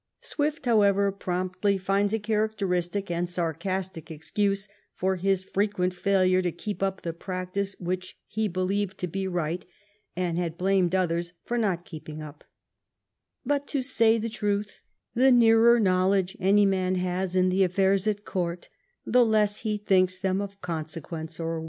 Swift, however, promptly finds a characteristic and 366 JONATHAN SWIFT'S VIEWS sarcastic excuse for his frequent failure to keep up the practice which he believed to be right, and had blamed others for not keeping up :" But, to say the truth, the nearer knowledge any man has in the affairs at Court, the less he thinks them of consequence or.